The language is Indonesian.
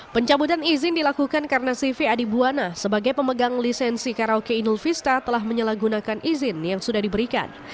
pencabutan izin dilakukan karena cv adi buwana sebagai pemegang lisensi karaoke inul vista telah menyelagunakan izin yang sudah diberikan